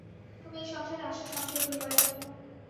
তুমি এই সংসারে আসো সঞ্চয় করিবার জন্য।